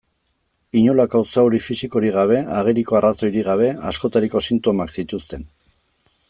Inolako zauri fisikorik gabe, ageriko arrazoirik gabe, askotariko sintomak zituzten.